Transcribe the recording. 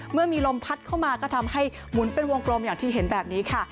เมื่อมีลมพัดเข้ามาก็ทำให้หมุนเป็นวงกลมอย่างที่เห็นแบบนี้ค่ะ